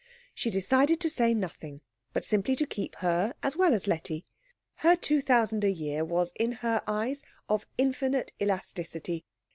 She decided to say nothing, but simply to keep her as well as Letty. Her two thousand a year was in her eyes of infinite elasticity.